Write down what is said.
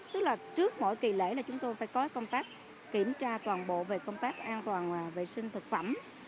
tức là trước mỗi kỳ lễ là chúng tôi phải có công tác kiểm tra toàn bộ về công tác an toàn vệ sinh thực phẩm